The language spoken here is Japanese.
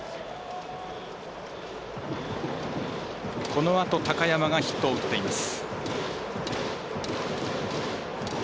このあとの高山がヒットを打っています。